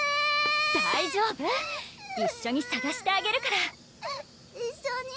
大丈夫一緒にさがしてあげるから一緒に？